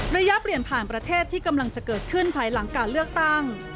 ระยะเปลี่ยนผ่านประเทศที่กำลังจะเกิดขึ้นภายหลังการเลือกตั้ง